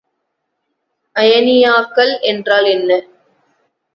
அயனியாக்கல் என்றால் என்ன?